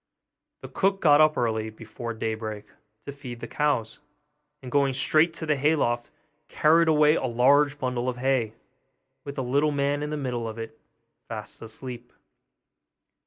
The cook got up early, before daybreak, to feed the cows; and going straight to the hay loft, carried away a large bundle of hay, with the little man in the middle of it, fast asleep.